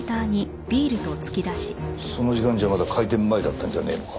その時間じゃまだ開店前だったんじゃねえのか？